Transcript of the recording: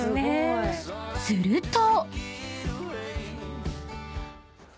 ［すると］